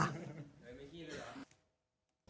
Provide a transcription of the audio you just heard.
ไงไม่ได้กินเลยหรือว่ะ